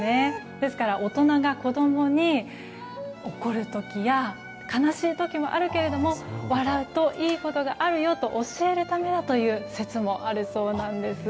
ですから、大人が子供に怒る時や悲しい時もあるけれども、笑うといいことがあるよと教えるためだという説もあるそうなんです。